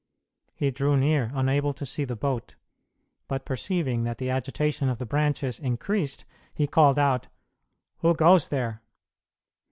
He drew near, unable to see the boat, but perceiving that the agitation of the branches increased, he called out, "Who goes there?"